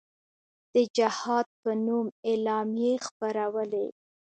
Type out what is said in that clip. د جهاد په نوم اعلامیې خپرولې.